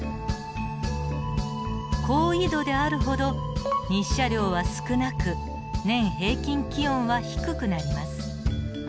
高緯度であるほど日射量は少なく年平均気温は低くなります。